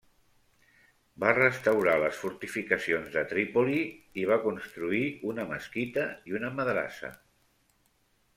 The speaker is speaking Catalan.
Va restaurar les fortificacions de Trípoli i va construir una mesquita i una madrassa.